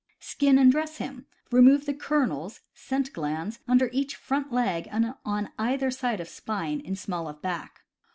Skin and dress him. Remove the "kernels" (scent glands) under each front leg and on either side of spine in small of back.